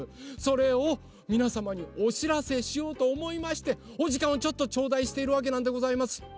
それをみなさまにおしらせしようとおもいましておじかんをちょっとちょうだいしているわけなんでございます。